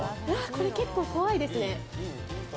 これ結構怖いですね。